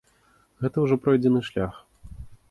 Гэта ўжо пройдзены шлях.